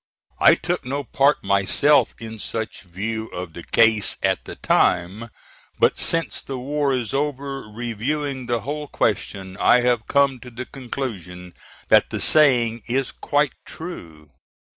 I took no part myself in any such view of the case at the time, but since the war is over, reviewing the whole question, I have come to the conclusion that the saying is quite true.